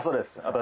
私